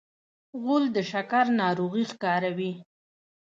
غول د شکر ناروغي ښکاروي.